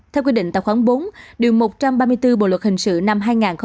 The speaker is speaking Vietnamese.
theo quy định tài khoản bốn điều một trăm ba mươi bốn bộ luật hình sự năm hai nghìn một mươi năm